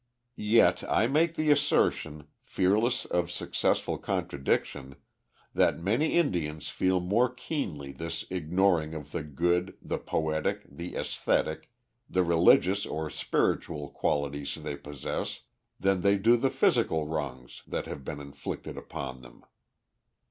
Yet I make the assertion, fearless of successful contradiction, that many Indians feel more keenly this ignoring of the good, the poetic, the æsthetic, the religious or spiritual qualities they possess than they do the physical wrongs that have been inflicted upon them.